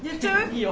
いいよ。